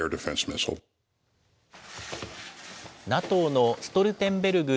ＮＡＴＯのストルテンベルグ